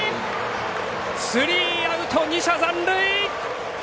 スリーアウト、２者残塁。